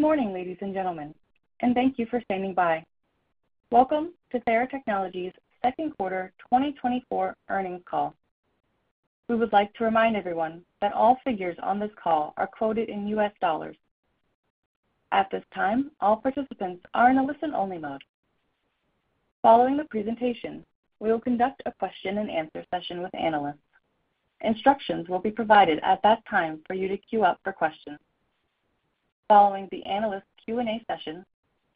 Good morning, ladies and gentlemen, and thank you for standing by. Welcome to Theratechnologies' second quarter 2024 earnings call. We would like to remind everyone that all figures on this call are quoted in U.S. dollars. At this time, all participants are in a listen-only mode. Following the presentation, we will conduct a question and answer session with analysts. Instructions will be provided at that time for you to queue up for questions. Following the analyst Q&A session,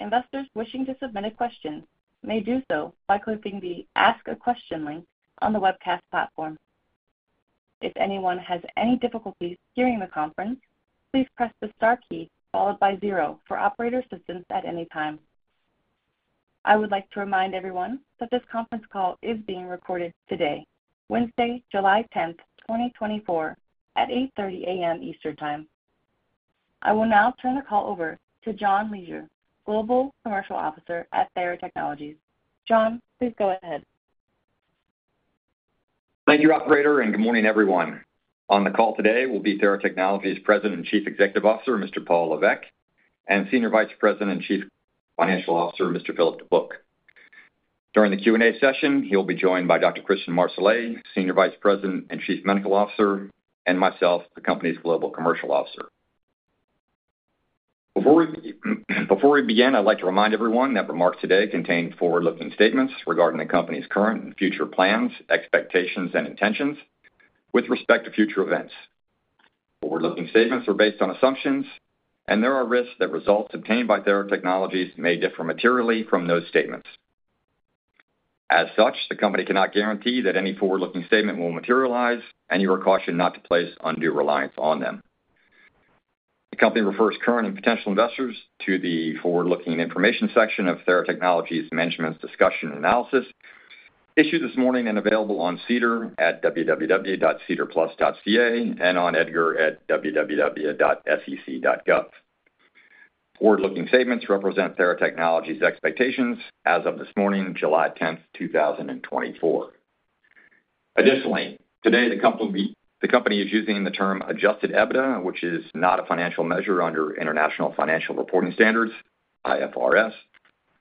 investors wishing to submit a question may do so by clicking the Ask a Question link on the webcast platform. If anyone has any difficulties during the conference, please press the star key followed by zero for operator assistance at any time. I would like to remind everyone that this conference call is being recorded today, Wednesday, July 10th, 2024, at 8:30 A.M. Eastern Time. I will now turn the call over to John Leasure, Global Commercial Officer at Theratechnologies. John, please go ahead. Thank you, operator, and good morning, everyone. On the call today will be Theratechnologies President and Chief Executive Officer, Mr. Paul Lévesque, and Senior Vice President and Chief Financial Officer, Mr. Philippe Dubuc. During the Q&A session, he'll be joined by Dr. Christian Marsolais, Senior Vice President and Chief Medical Officer, and myself, the company's Global Commercial Officer. Before we begin, I'd like to remind everyone that remarks today contain forward-looking statements regarding the company's current and future plans, expectations, and intentions with respect to future events. Forward-looking statements are based on assumptions, and there are risks that results obtained by Theratechnologies may differ materially from those statements. As such, the company cannot guarantee that any forward-looking statement will materialize, and you are cautioned not to place undue reliance on them. The company refers current and potential investors to the forward-looking information section of Theratechnologies' management's discussion and analysis, issued this morning and available on SEDAR+ at www.sedarplus.ca and on EDGAR at www.sec.gov. Forward-looking statements represent Theratechnologies' expectations as of this morning, July 10th, 2024. Additionally, today, the company is using the term Adjusted EBITDA, which is not a financial measure under International Financial Reporting Standards, IFRS,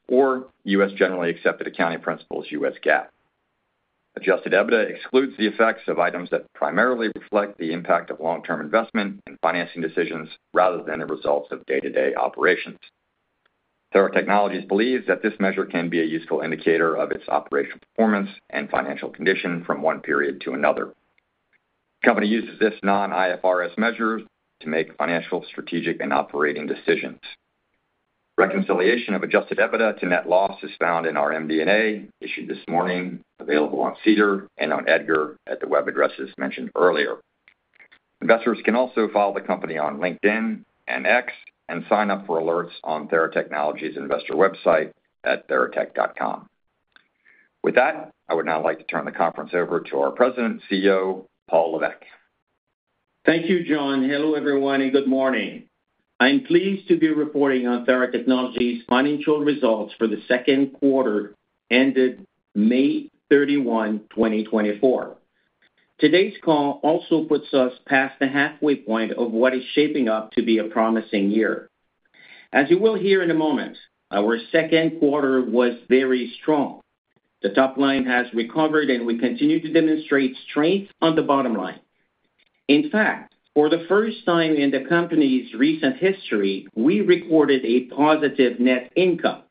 or U.S. Generally Accepted Accounting Principles, U.S. GAAP. Adjusted EBITDA excludes the effects of items that primarily reflect the impact of long-term investment and financing decisions rather than the results of day-to-day operations. Theratechnologies believes that this measure can be a useful indicator of its operational performance and financial condition from one period to another. The company uses this non-IFRS measure to make financial, strategic, and operating decisions. Reconciliation of Adjusted EBITDA to net loss is found in our MD&A, issued this morning, available on SEDAR+ and on EDGAR at the web addresses mentioned earlier. Investors can also follow the company on LinkedIn and X and sign up for alerts on Theratechnologies investor website at theratech.com. With that, I would now like to turn the conference over to our President and CEO, Paul Lévesque. Thank you, John. Hello, everyone, and good morning. I'm pleased to be reporting on Theratechnologies' financial results for the second quarter ended May 31, 2024. Today's call also puts us past the halfway point of what is shaping up to be a promising year. As you will hear in a moment, our second quarter was very strong. The top line has recovered, and we continue to demonstrate strength on the bottom line. In fact, for the first time in the company's recent history, we recorded a positive net income.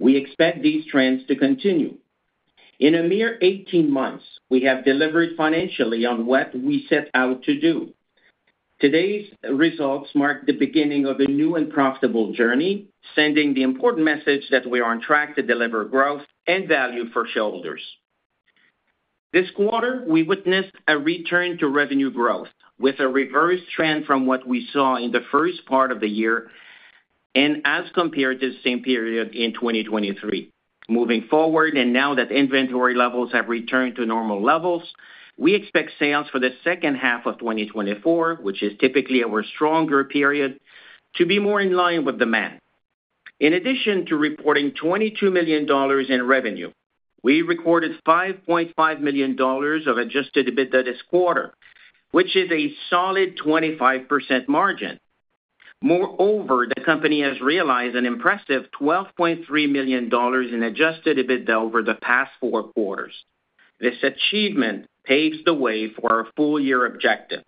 We expect these trends to continue. In a mere 18 months, we have delivered financially on what we set out to do. Today's results mark the beginning of a new and profitable journey, sending the important message that we are on track to deliver growth and value for shareholders. This quarter, we witnessed a return to revenue growth with a reverse trend from what we saw in the first part of the year and as compared to the same period in 2023. Moving forward, and now that inventory levels have returned to normal levels, we expect sales for the second half of 2024, which is typically our stronger period, to be more in line with demand. In addition to reporting $22 million in revenue, we recorded $5.5 million of adjusted EBITDA this quarter, which is a solid 25% margin. Moreover, the company has realized an impressive $12.3 million in adjusted EBITDA over the past four quarters. This achievement paves the way for our full-year objective.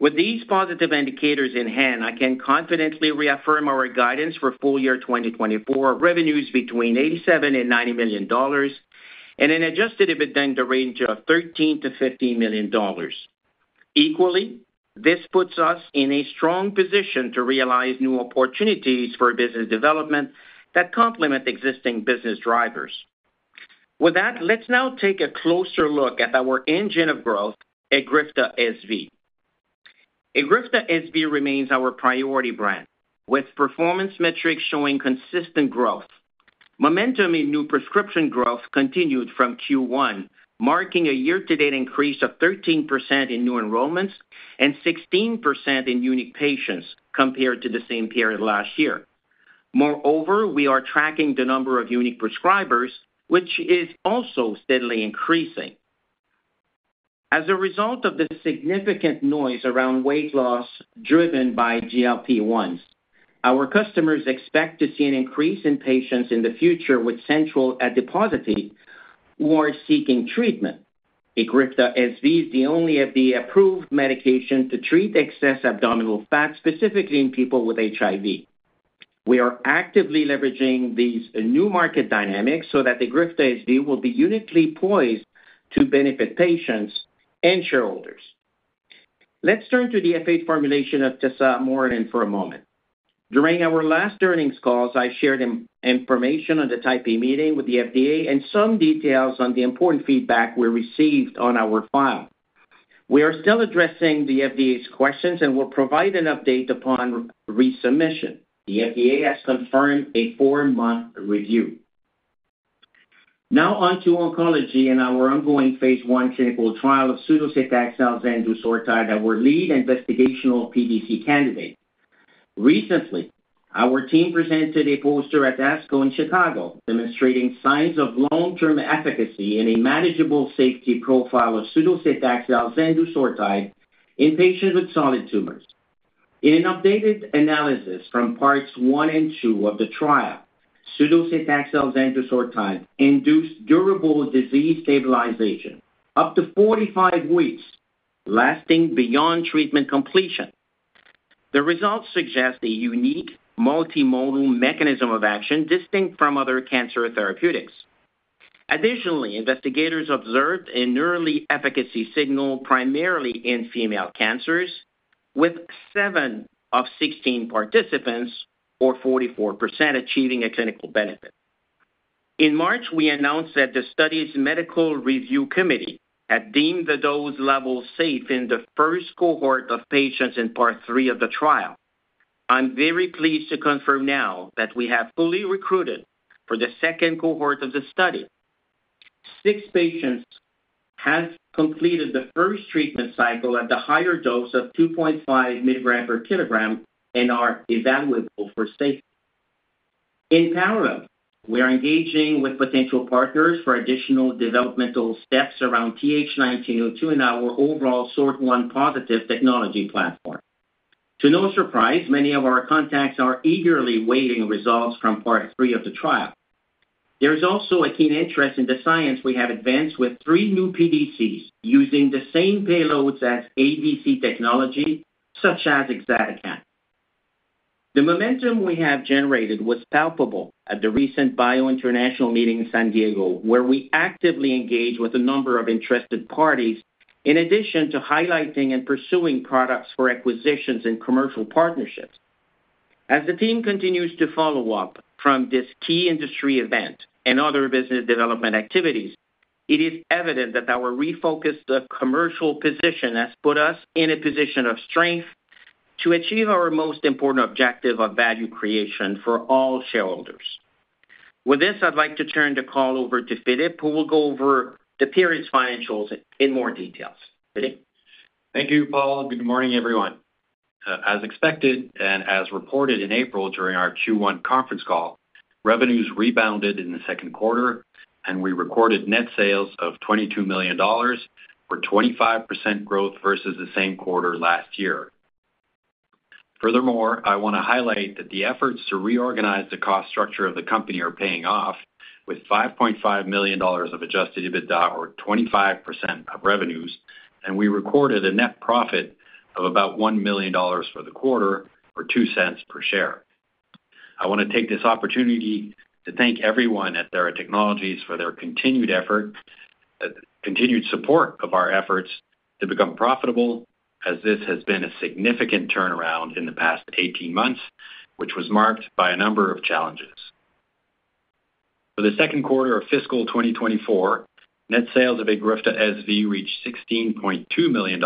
With these positive indicators in hand, I can confidently reaffirm our guidance for full year 2024 revenues between $87 million-$90 million and an Adjusted EBITDA in the range of $13 million-$15 million. Equally, this puts us in a strong position to realize new opportunities for business development that complement existing business drivers. With that, let's now take a closer look at our engine of growth, EGRIFTA SV. EGRIFTA SV remains our priority brand, with performance metrics showing consistent growth. Momentum in new prescription growth continued from Q1, marking a year-to-date increase of 13% in new enrollments and 16% in unique patients compared to the same period last year. Moreover, we are tracking the number of unique prescribers, which is also steadily increasing. As a result of the significant noise around weight loss driven by GLP-1s, our customers expect to see an increase in patients in the future with central adiposity who are seeking treatment. EGRIFTA SV is the only FDA-approved medication to treat excess abdominal fat, specifically in people with HIV. We are actively leveraging these new market dynamics so that EGRIFTA SV will be uniquely poised to benefit patients and shareholders. Let's turn to the F8 formulation of tesamorelin for a moment. During our last earnings calls, I shared information on the Type B meeting with the FDA and some details on the important feedback we received on our file. We are still addressing the FDA's questions, and we'll provide an update upon resubmission. The FDA has confirmed a four-month review. Now on to oncology and our ongoing phase I clinical trial of sudocetaxel zendusortide, our lead investigational PDC candidate. Recently, our team presented a poster at ASCO in Chicago, demonstrating signs of long-term efficacy and a manageable safety profile of sudocetaxel zendusortide in patients with solid tumors. In an updated analysis from parts one and two of the trial, sudocetaxel zendusortide induced durable disease stabilization up to 45 weeks, lasting beyond treatment completion. The results suggest a unique multimodal mechanism of action, distinct from other cancer therapeutics. Additionally, investigators observed an early efficacy signal, primarily in female cancers, with seven of 16 participants, or 44%, achieving a clinical benefit. In March, we announced that the study's medical review committee had deemed the dose level safe in the first cohort of patients in part three of the trial. I'm very pleased to confirm now that we have fully recruited for the second cohort of the study. Six patients have completed the first treatment cycle at the higher dose of 2.5 mg per kg and are evaluable for safety. In parallel, we are engaging with potential partners for additional developmental steps around TH1902 and our overall SORT1+ Technology platform. To no surprise, many of our contacts are eagerly awaiting results from part three of the trial. There is also a keen interest in the science we have advanced with three new PDCs using the same payloads as ADC technology, such as exatecan. The momentum we have generated was palpable at the recent BIO International meeting in San Diego, where we actively engaged with a number of interested parties, in addition to highlighting and pursuing products for acquisitions and commercial partnerships. As the team continues to follow up from this key industry event and other business development activities, it is evident that our refocused commercial position has put us in a position of strength to achieve our most important objective of value creation for all shareholders. With this, I'd like to turn the call over to Philippe, who will go over the period's financials in more details. Philippe? Thank you, Paul. Good morning, everyone. As expected and as reported in April during our Q1 conference call, revenues rebounded in the second quarter, and we recorded net sales of $22 million, for 25% growth versus the same quarter last year. Furthermore, I want to highlight that the efforts to reorganize the cost structure of the company are paying off, with $5.5 million of Adjusted EBITDA, or 25% of revenues, and we recorded a net profit of about $1 million for the quarter, or $0.02 per share. I want to take this opportunity to thank everyone at Theratechnologies for their continued effort, continued support of our efforts to become profitable, as this has been a significant turnaround in the past 18 months, which was marked by a number of challenges. For the second quarter of fiscal 2024, net sales of EGRIFTA SV reached $16.2 million,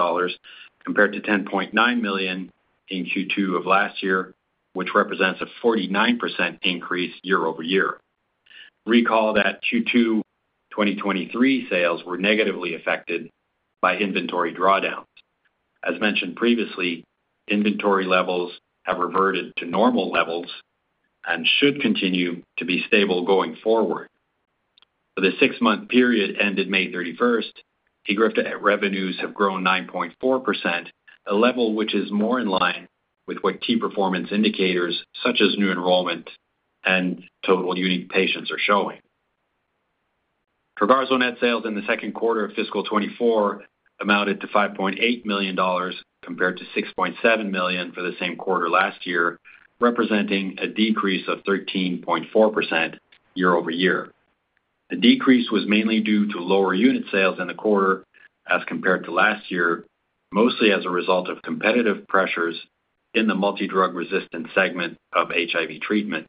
compared to $10.9 million in Q2 of last year, which represents a 49% increase year-over-year. Recall that Q2 2023 sales were negatively affected by inventory drawdowns. As mentioned previously, inventory levels have reverted to normal levels and should continue to be stable going forward. For the six-month period ended May 31st, EGRIFTA revenues have grown 9.4%, a level which is more in line with what key performance indicators, such as new enrollment and total unique patients, are showing. Trogarzo net sales in the second quarter of fiscal 2024 amounted to $5.8 million, compared to $6.7 million for the same quarter last year, representing a decrease of 13.4% year-over-year. The decrease was mainly due to lower unit sales in the quarter as compared to last year, mostly as a result of competitive pressures in the multidrug-resistant segment of HIV treatment,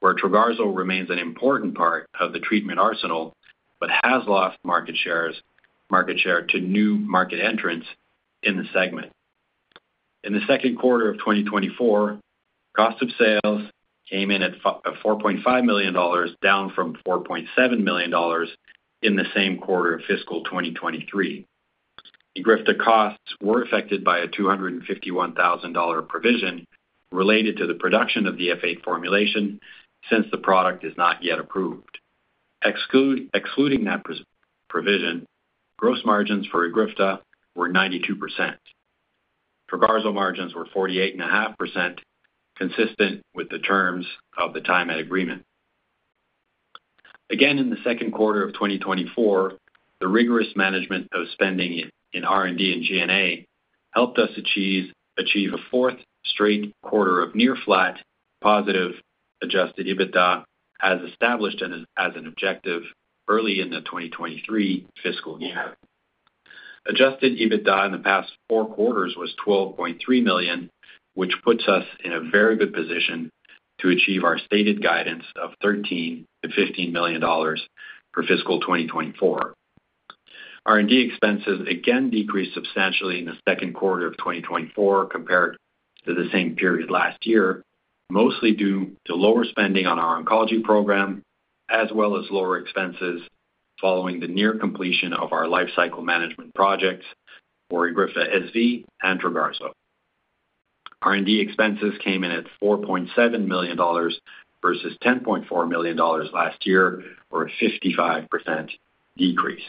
where Trogarzo remains an important part of the treatment arsenal, but has lost market share to new market entrants in the segment. In the second quarter of 2024, cost of sales came in at $4.5 million, down from $4.7 million in the same quarter of fiscal 2023. EGRIFTA costs were affected by a $251,000 provision related to the production of the F8 formulation, since the product is not yet approved. Excluding that provision, gross margins for EGRIFTA were 92%. Trogarzo margins were 48.5%, consistent with the terms of the TaiMed agreement. Again, in the second quarter of 2024, the rigorous management of spending in R&D and G&A helped us achieve a fourth straight quarter of near flat positive adjusted EBITDA as established and as an objective early in the 2023 fiscal year. Adjusted EBITDA in the past four quarters was $12.3 million, which puts us in a very good position to achieve our stated guidance of $13 million-$15 million for fiscal 2024. R&D expenses again decreased substantially in the second quarter of 2024 compared to the same period last year, mostly due to lower spending on our oncology program, as well as lower expenses following the near completion of our lifecycle management projects for EGRIFTA SV and Trogarzo. R&D expenses came in at $4.7 million versus $10.4 million last year, or a 55% decrease.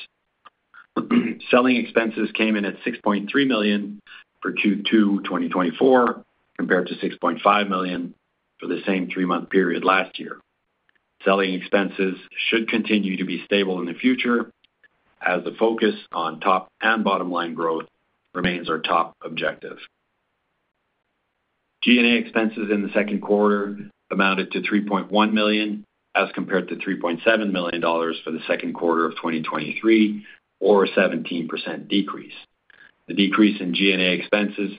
Selling expenses came in at $6.3 million for Q2 2024, compared to $6.5 million for the same three-month period last year. Selling expenses should continue to be stable in the future as the focus on top and bottom line growth remains our top objective. G&A expenses in the second quarter amounted to $3.1 million, as compared to $3.7 million for the second quarter of 2023, or a 17% decrease. The decrease in G&A expenses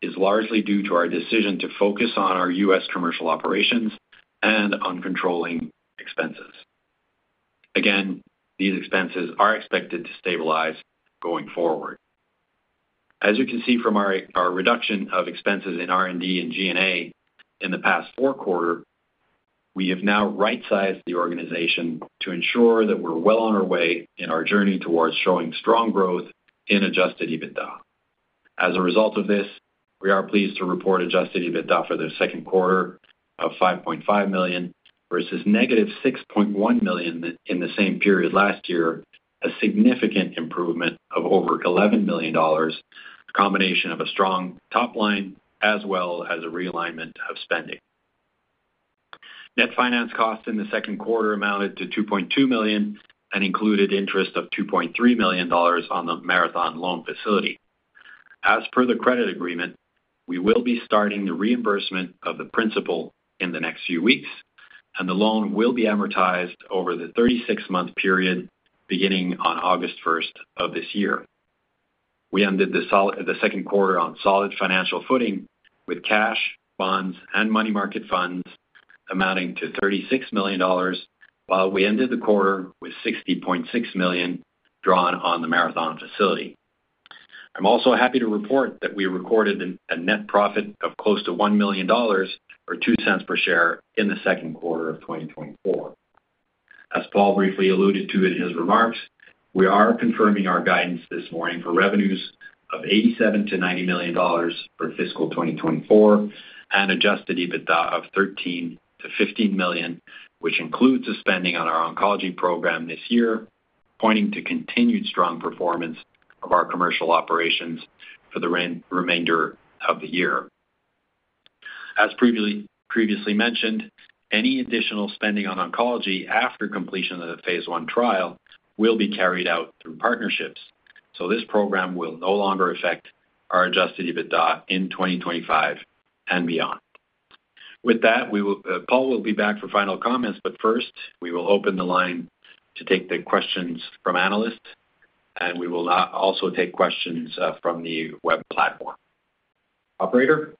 is largely due to our decision to focus on our U.S. commercial operations and on controlling expenses. Again, these expenses are expected to stabilize going forward. As you can see from our reduction of expenses in R&D and G&A in the past four quarter, we have now right-sized the organization to ensure that we're well on our way in our journey towards showing strong growth in Adjusted EBITDA. As a result of this, we are pleased to report Adjusted EBITDA for the second quarter of $5.5 million, versus negative $6.1 million in the same period last year, a significant improvement of over $11 million, a combination of a strong top line as well as a realignment of spending. Net finance costs in the second quarter amounted to $2.2 million and included interest of $2.3 million on the Marathon loan facility. As per the credit agreement, we will be starting the reimbursement of the principal in the next few weeks, and the loan will be amortized over the 36-month period, beginning on August first of this year. We ended the second quarter on solid financial footing with cash, bonds, and money market funds amounting to $36 million, while we ended the quarter with $60.6 million drawn on the Marathon facility. I'm also happy to report that we recorded a net profit of close to $1 million or $0.02 per share in the second quarter of 2024. As Paul briefly alluded to in his remarks, we are confirming our guidance this morning for revenues of $87 million-$90 million for fiscal 2024 and Adjusted EBITDA of $13 million-$15 million, which includes the spending on our oncology program this year, pointing to continued strong performance of our commercial operations for the remainder of the year. As previously mentioned, any additional spending on oncology after completion of the phase I trial will be carried out through partnerships, so this program will no longer affect our Adjusted EBITDA in 2025 and beyond. With that, Paul will be back for final comments, but first, we will open the line to take the questions from analysts, and we will also take questions from the web platform. Operator?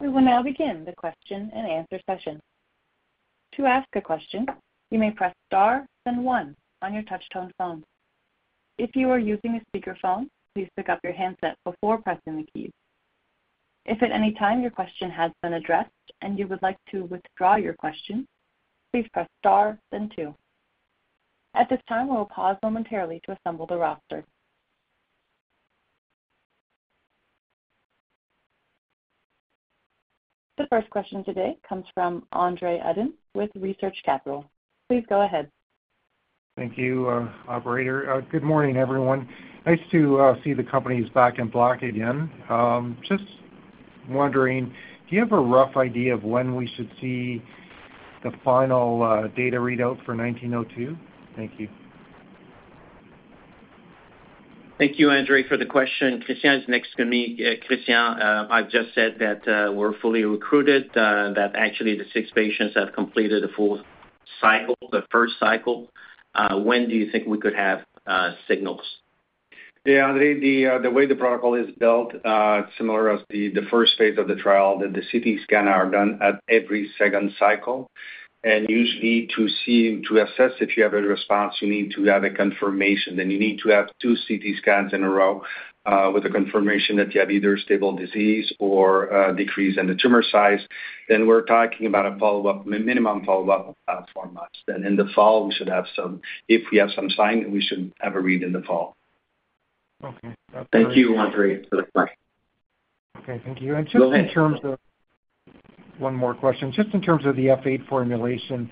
We will now begin the question-and-answer session. To ask a question, you may press star, then one on your touchtone phone. If you are using a speakerphone, please pick up your handset before pressing the key. If at any time your question has been addressed and you would like to withdraw your question, please press star then two. At this time, we will pause momentarily to assemble the roster. The first question today comes from André Uddin with Research Capital. Please go ahead. Thank you, operator. Good morning, everyone. Nice to see the company's back in black again. Just wondering, do you have a rough idea of when we should see the final data readout for 1902? Thank you. Thank you, André, for the question. Christian is next to me. Christian, I've just said that, we're fully recruited, that actually the six patients have completed a full cycle, the first cycle. When do you think we could have signals? Yeah, André, the way the protocol is built, similar as the first phase of the trial, that the CT scan are done at every second cycle. And usually to see, to assess if you have a response, you need to have a confirmation, then you need to have two CT scans in a row, with a confirmation that you have either stable disease or a decrease in the tumor size, then we're talking about a follow-up, minimum follow-up of four months. Then in the fall, we should have some—if we have some sign, we should have a read in the fall. Okay. Thank you, André, for the question.... Okay, thank you. Just in terms of- one more question. Just in terms of the F8 formulation,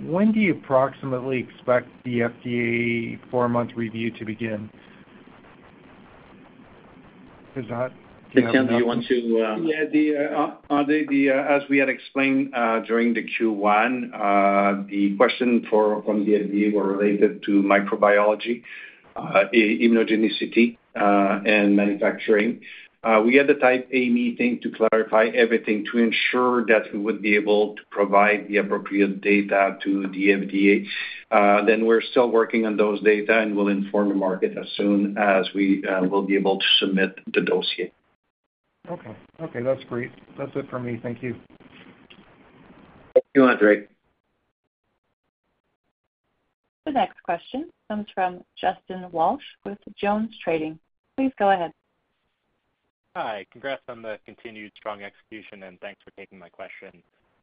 when do you approximately expect the FDA four-month review to begin? Is that- Christian, do you want to? Yeah, as we had explained during the Q1, the questions from the FDA were related to microbiology, immunogenicity, and manufacturing. We had the Type A meeting to clarify everything, to ensure that we would be able to provide the appropriate data to the FDA. Then we're still working on those data, and we'll inform the market as soon as we will be able to submit the dossier. Okay. Okay, that's great. That's it for me. Thank you. Thank you, André. The next question comes from Justin Walsh with JonesTrading. Please go ahead. Hi. Congrats on the continued strong execution, and thanks for taking my question.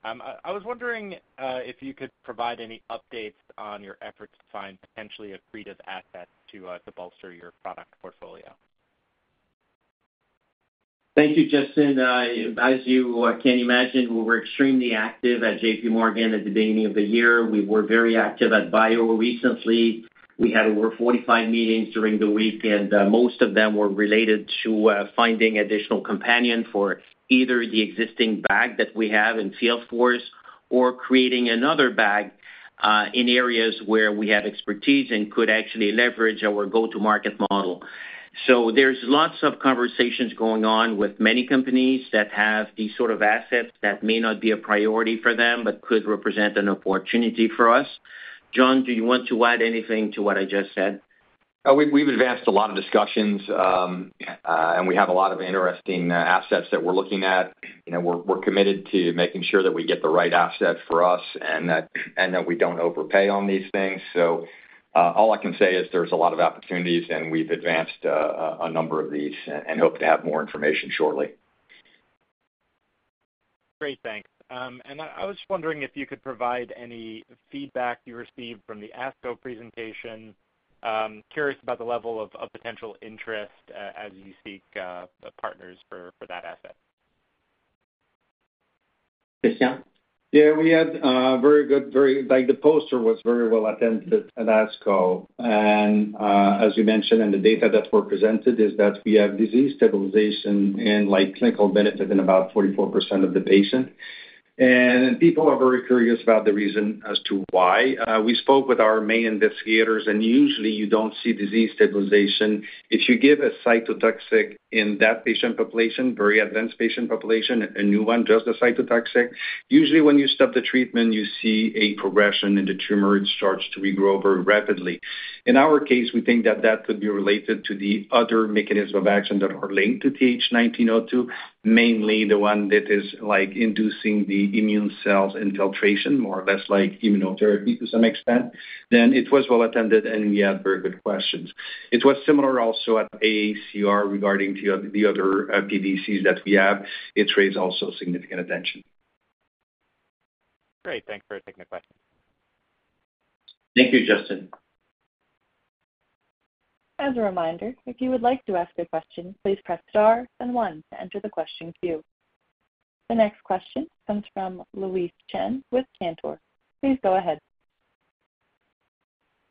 I was wondering if you could provide any updates on your efforts to find potentially accretive assets to bolster your product portfolio. Thank you, Justin. As you can imagine, we were extremely active at JPMorgan at the beginning of the year. We were very active at Bio recently. We had over 45 meetings during the week, and most of them were related to finding additional companion for either the existing bag that we have in sales force or creating another bag in areas where we have expertise and could actually leverage our go-to-market model. So there's lots of conversations going on with many companies that have these sort of assets that may not be a priority for them, but could represent an opportunity for us. John, do you want to add anything to what I just said? We've advanced a lot of discussions, and we have a lot of interesting assets that we're looking at. You know, we're committed to making sure that we get the right asset for us and that we don't overpay on these things. So, all I can say is there's a lot of opportunities, and we've advanced a number of these and hope to have more information shortly. Great, thanks. I was just wondering if you could provide any feedback you received from the ASCO presentation. Curious about the level of potential interest as you seek partners for that asset. Christian? Yeah, we had very good, very like, the poster was very well attended at ASCO. And as we mentioned in the data that were presented, is that we have disease stabilization and, like, clinical benefit in about 44% of the patient. And people are very curious about the reason as to why. We spoke with our main investigators, and usually you don't see disease stabilization. If you give a cytotoxic in that patient population, very advanced patient population, a new one, just the cytotoxic, usually when you stop the treatment, you see a progression in the tumor. It starts to regrow very rapidly. In our case, we think that that could be related to the other mechanism of action that are linked to TH1902, mainly the one that is like inducing the immune cells infiltration, more or less like immunotherapy to some extent. Then it was well attended, and we had very good questions. It was similar also at AACR regarding the other PDCs that we have. It raised also significant attention. Great, thanks for taking my question. Thank you, Justin. As a reminder, if you would like to ask a question, please press Star and One to enter the question queue. The next question comes from Louise Chen with Cantor. Please go ahead.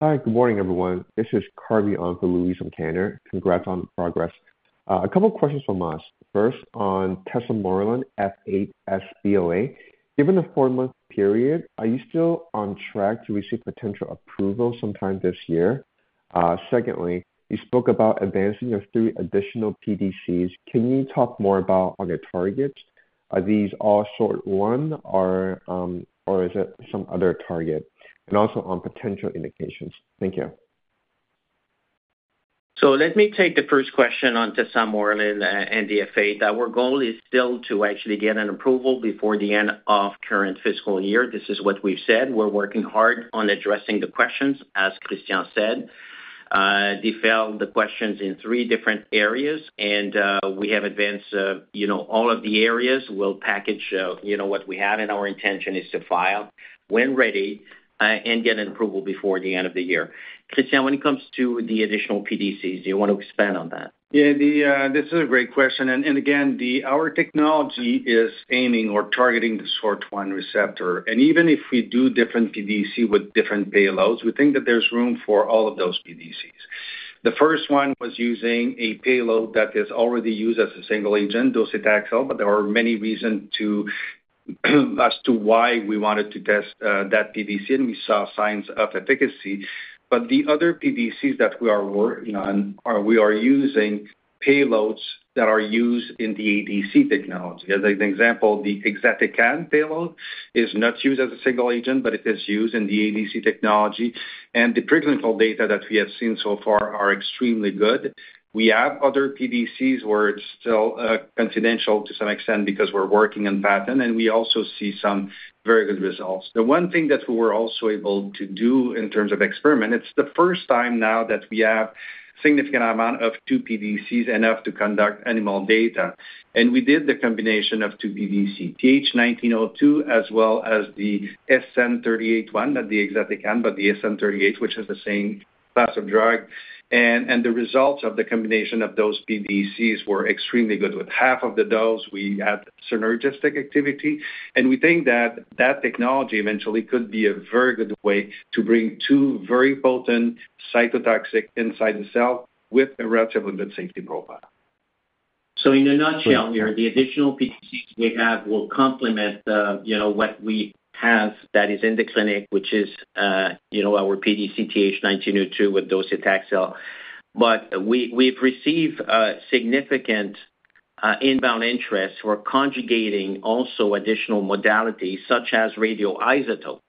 Hi, good morning, everyone. This is Carvey on for Louise from Cantor. Congrats on the progress. A couple questions from us. First, on tesamorelin F8 SV. Given the four-month period, are you still on track to receive potential approval sometime this year? Secondly, you spoke about advancing your three additional PDCs. Can you talk more about the targets? Are these all SORT1, or, or is it some other target? And also on potential indications. Thank you. So let me take the first question on tesamorelin, and the F8. Our goal is still to actually get an approval before the end of current fiscal year. This is what we've said. We're working hard on addressing the questions, as Christian said. They found the questions in three different areas, and we have advanced, you know, all of the areas. We'll package, you know, what we have, and our intention is to file when ready, and get an approval before the end of the year. Christian, when it comes to the additional PDCs, do you want to expand on that? Yeah, this is a great question, and again, our technology is aiming or targeting the SORT1 receptor. And even if we do different PDC with different payloads, we think that there's room for all of those PDCs. The first one was using a payload that is already used as a single agent, docetaxel, but there are many reasons to, as to why we wanted to test that PDC, and we saw signs of efficacy. But the other PDCs that we are working on are, we are using payloads that are used in the ADC technology. As an example, the exatecan payload is not used as a single agent, but it is used in the ADC technology, and the preclinical data that we have seen so far are extremely good. We have other PDCs where it's still, confidential to some extent because we're working on patent, and we also see some very good results. The one thing that we were also able to do in terms of experiment, it's the first time now that we have significant amount of two PDCs, enough to conduct animal data. And we did the combination of two PDC, TH1902, as well as the SN-38 one, not the exatecan, but the SN-38, which is the same class of drug. And the results of the combination of those PDCs were extremely good. With half of the dose, we had synergistic activity, and we think that that technology eventually could be a very good way to bring two very potent cytotoxic inside the cell with a relatively good safety profile. ...So in a nutshell, here, the additional PDCs we have will complement the, you know, what we have that is in the clinic, which is, you know, our PDC TH 1902 with docetaxel. But we, we've received significant inbound interest. We're conjugating also additional modalities, such as radioisotopes.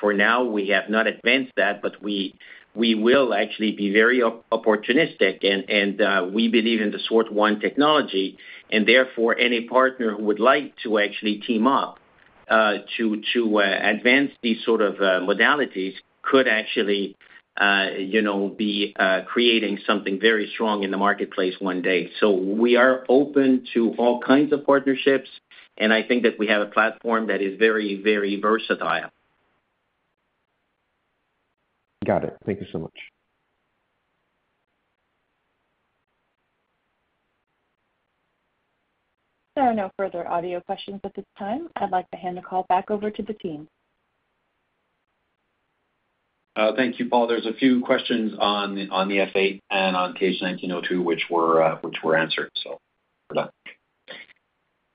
For now, we have not advanced that, but we will actually be very opportunistic and we believe in the SORT1 technology, and therefore, any partner who would like to actually team up to advance these sort of modalities could actually, you know, be creating something very strong in the marketplace one day. So we are open to all kinds of partnerships, and I think that we have a platform that is very, very versatile. Got it. Thank you so much. There are no further audio questions at this time. I'd like to hand the call back over to the team. Thank you, Paul. There's a few questions on the F8 and on TH1902, which were answered, so we're done.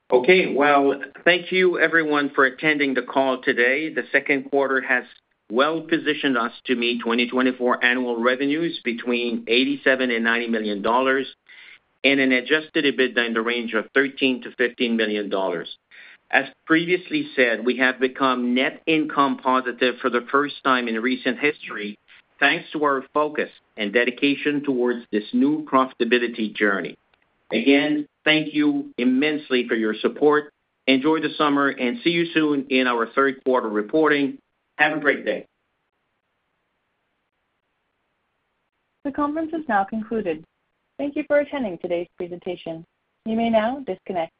Okay. Well, thank you everyone for attending the call today. The second quarter has well-positioned us to meet 2024 annual revenues between $87 million-$90 million, and an Adjusted EBITDA in the range of $13 million-$15 million. As previously said, we have become net income positive for the first time in recent history, thanks to our focus and dedication towards this new profitability journey. Again, thank you immensely for your support. Enjoy the summer, and see you soon in our third quarter reporting. Have a great day! The conference is now concluded. Thank you for attending today's presentation. You may now disconnect.